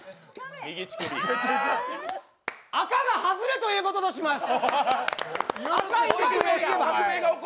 赤が外れということとします。